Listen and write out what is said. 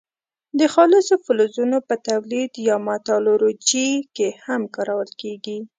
د خالصو فلزونو په تولید یا متالورجي کې هم کارول کیږي.